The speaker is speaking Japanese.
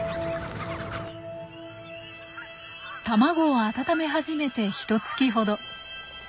卵を温め始めてひとつきほど。